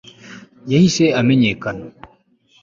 yahise amenyekana